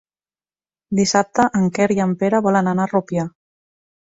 Dissabte en Quer i en Pere volen anar a Rupià.